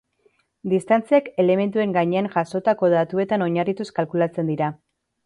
Distantziak elementuen gainean jasotako datuetan oinarrituz kalkulatzen dira.